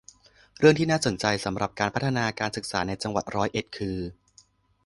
เรื่องที่น่าสนใจสำหรับการพัฒนาการศึกษาในจังหวัดร้อยเอ็ดคือ